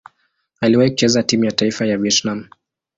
Aliwahi kucheza timu ya taifa ya Vietnam.